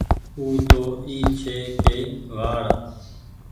او تو اي ڇي ڪي وآڙ۔